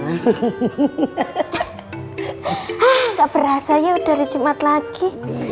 hah gak perasa ya udah hari jumat lagi